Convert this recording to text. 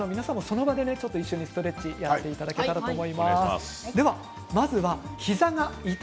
皆さんもその場で一緒にストレッチをやっていただければと思います。